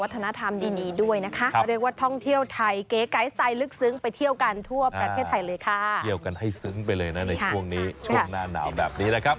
ท่องเที่ยวไทยเกะไกรสไตล์ลึกซึ้งไปเที่ยวกันทั่วประเทศไทยเลยค่ะเที่ยวกันให้ซึ้งไปเลยนะในช่วงนี้ช่วงนานหนาวแบบนี้นะครับ